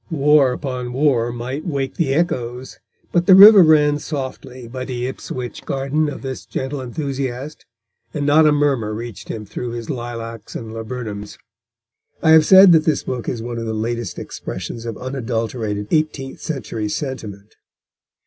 War upon war might wake the echoes, but the river ran softly by the Ipswich garden of this gentle enthusiast, and not a murmur reached him through his lilacs and laburnums. I have said that this book is one of the latest expressions of unadulterated eighteenth century sentiment.